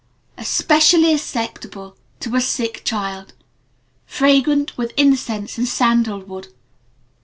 (Especially acceptable Bi weekly. to a Sick Child. Fragrant with Incense and Sandal Wood.